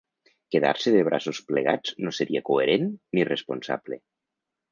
Quedar-se de braços plegats no seria coherent ni responsable.